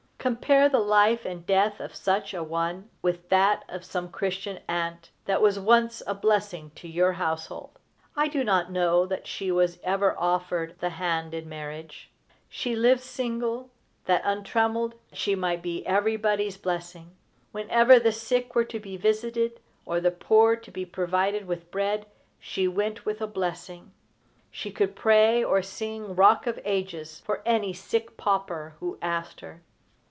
Compare the life and death of such an one with that of some Christian aunt that was once a blessing to your household. I do not know that she was ever offered the hand in marriage. She lived single, that untrammelled she might be everybody's blessing. Whenever the sick were to be visited, or the poor to be provided with bread, she went with a blessing. She could pray, or sing "Rock of Ages," for any sick pauper who asked her.